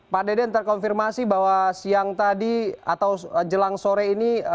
pak deden terkonfirmasi bahwa siang tadi atau jelang sore ini